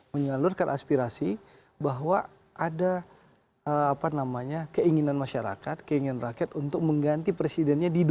menyalurkan aspirasi bahwa ada keinginan masyarakat keinginan rakyat untuk mengganti presidennya di dua ribu dua puluh